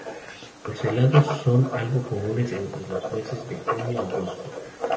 Las heladas son algo comunes entre los meses de junio a agosto.